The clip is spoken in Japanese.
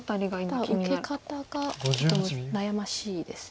ただ受け方がちょっと悩ましいです。